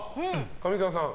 上川さん